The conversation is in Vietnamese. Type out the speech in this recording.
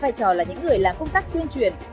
vai trò là những người làm công tác tuyên truyền